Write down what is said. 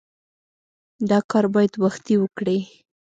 دا کار باید وختي وکړې.